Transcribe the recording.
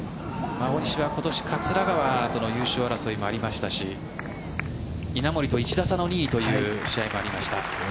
大西は今年、桂川との優勝争いもありましたし稲森と１打差の２位という試合もありました。